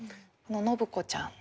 信子ちゃん。